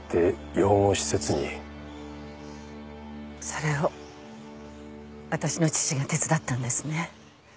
それを私の父が手伝ったんですね。